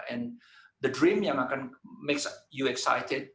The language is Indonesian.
dan impian itu yang akan membuat anda teruja